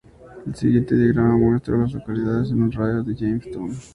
El siguiente diagrama muestra a las localidades en un radio de de James Town.